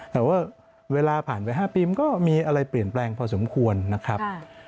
แต่ว่าเวลาผ่านไป๕ปีมันก็มีอะไรเปลี่ยนแปลงพอสมควรนะครับ